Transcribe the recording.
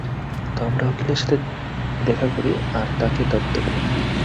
তো আমরা উকিলের সাথে দেখা করি, আর তাকে দত্তক নেই।